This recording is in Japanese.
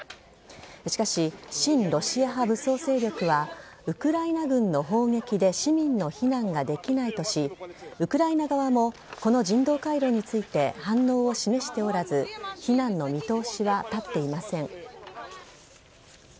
しかし、親ロシア派武装勢力はウクライナ軍の砲撃で市民の避難ができないとしウクライナ側もこの人道回廊について反応を示しておらず避難の見通しは立っていません。